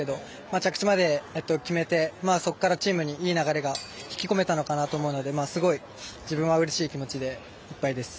着地まで決めてそこからチームにいい流れが引き込めたのかなと思うのですごい、自分はうれしい気持ちでいっぱいです。